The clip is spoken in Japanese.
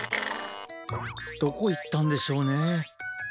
どこいったんでしょうね。